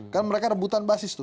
kan mereka rebutan basis tuh